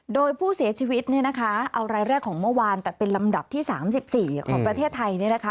โดยผู้เสียชีวิตเนี่ยนะคะเอารายแรกของเมื่อวานแต่เป็นลำดับที่๓๔ของประเทศไทยเนี่ยนะคะ